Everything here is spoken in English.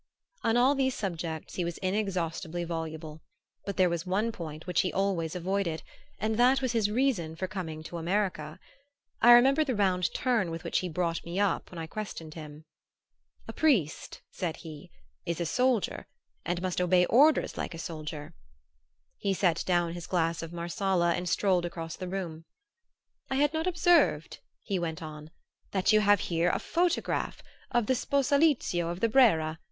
On all these subjects he was inexhaustibly voluble; but there was one point which he always avoided, and that was his reason for coming to America. I remember the round turn with which he brought me up when I questioned him. "A priest," said he, "is a soldier and must obey orders like a soldier." He set down his glass of Marsala and strolled across the room. "I had not observed," he went on, "that you have here a photograph of the Sposalizio of the Brera.